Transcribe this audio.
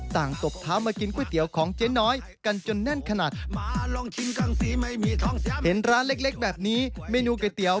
ส่างตกเท้ามากินกุ๊ดเตี๋ยวของเจ๊น้อย